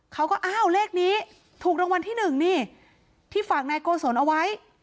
เขาก็อ้าวเลขนี้ถูกรางวัลที่หนึ่งนี่ที่ฝากนายโกศลเอาไว้